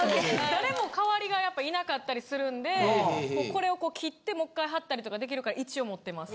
誰も代わりがやっぱいなかったりするんでこれを切ってもっかい貼ったりとかできるから一応持ってます。